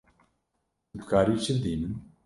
Tu dikarî çi bidî min?